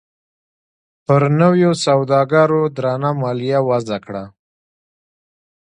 پر نویو سوداګرو درنه مالیه وضعه کړه.